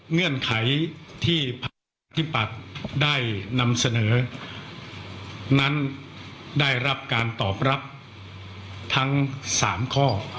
เงื่อนไขที่พักธิปัตย์ได้นำเสนอนั้นได้รับการตอบรับทั้ง๓ข้อ